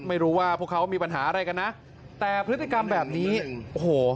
ไม่รู้ว่าพวกเขามีปัญหาอะไรกันนะแต่พฤติกรรมแบบนี้โอ้โห